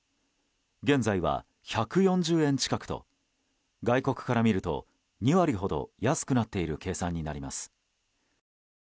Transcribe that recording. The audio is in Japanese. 現在は１４０円近くと外国から見ると２割ほど安くなっている計算になります。